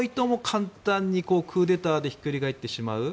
簡単にクーデターでひっくり返ってしまう。